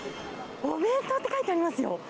お弁当って書いてありますよ。